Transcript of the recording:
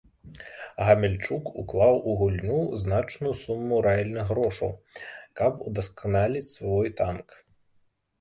Гамяльчук уклаў у гульню значную суму рэальных грошай, каб удасканаліць свой танк.